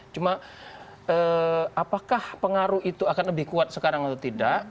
cuma apakah pengaruh itu akan lebih kuat sekarang atau tidak